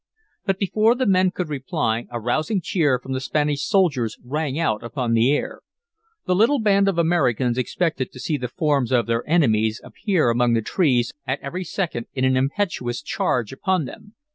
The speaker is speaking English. But before the men could make reply a rousing cheer from the Spanish soldiers rang out upon the air. The little band of Americans expected to see the forms of their enemies appear among the trees at every second in an impetuous charge upon them.